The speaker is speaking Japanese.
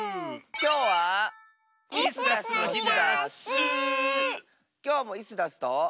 きょうもイスダスと。